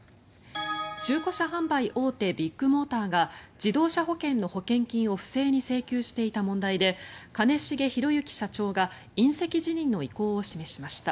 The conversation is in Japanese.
中古車販売大手ビッグモーターが自動車保険の保険金を不正に請求していた問題で兼重宏行社長が引責辞任の意向を示しました。